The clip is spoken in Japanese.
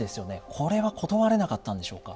これは断れなかったんでしょうか？